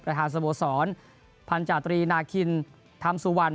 สโมสรพันธาตรีนาคินธรรมสุวรรณ